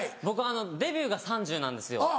僕デビューが３０歳なんですよ